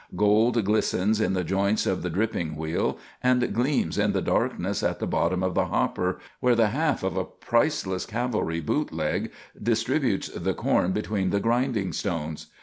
Gold glistens in the joints of the dripping wheel, and gleams in the darkness at the bottom of the hopper, where the half of a priceless cavalry boot leg distributes the corn between the grinding stones.